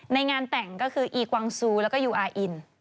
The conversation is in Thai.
ในงานแต่งก็คืออีกวังซูแล้วก็ยูอาอิน